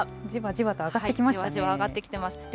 じわじわ上がってきています。